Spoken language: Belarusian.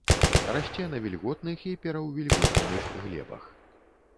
Расце на вільготных і пераўвільготненых глебах.